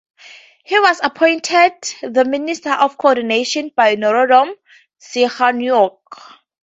He was appointed the Minister of Coordination by Norodom Sihanouk.